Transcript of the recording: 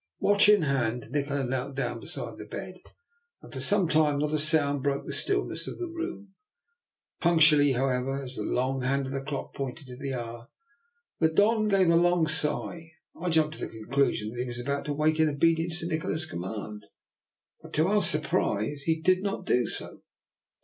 Watch in hand, Nikola knelt down be side the bed, and for some time not a sound broke the stillness of the room. Punctual ly, however, as the long hand of the clock pointed to the hour, the Don gave a long sigh. I jumped to the conclusion that he was about to wake in obedience to Nikola's command; but, to our surprise, he did not do so.